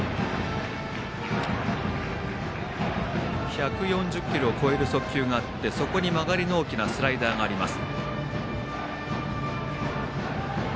１４０キロを超える速球があってそこに曲がりの大きなスライダーがあります。